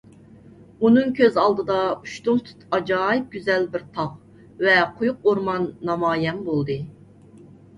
ئۇنىڭ كۆز ئالدىدا ئۇشتۇمتۇت ئاجايىپ گۈزەل بىر تاغ ۋە قويۇق ئورمان نامايان بولدى.